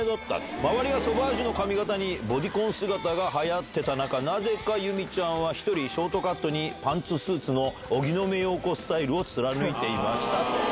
周りがソバージュの髪形にボディコン姿がはやってた中、なぜか由美ちゃんは、１人ショートカットにパンツスーツの荻野目洋子スタイルを貫いていました。